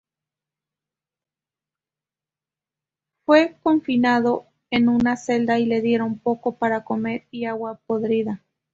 Fue confinado en una celda y le dieron poco para comer y agua podrida.